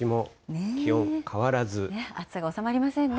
暑さが収まりませんね。